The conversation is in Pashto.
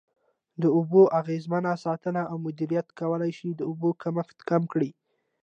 د اوبو اغیزمنه ساتنه او مدیریت کولای شي د اوبو کمښت کم کړي.